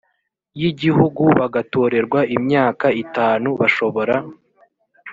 y igihugu bagatorerwa imyaka itanu bashobora